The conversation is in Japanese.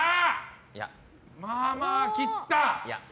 まあまあ切った。